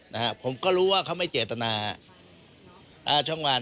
นะครับผมก็รู้ว่าเขาไม่เจตนาช่องวัน